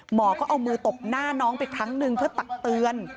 หมอก็เอามือตบหน้าน้องไปครั้งหนึ่งเพื่อตักเตือน